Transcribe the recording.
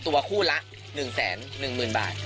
๒ตัวคู่ละ๑แสน๑หมื่นบาท